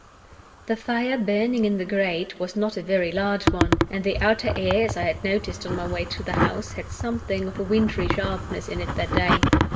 THE fire burning in the grate was not a very large one; and the outer air (as I had noticed on my way to the house) had something of a wintry sharpness in it that day.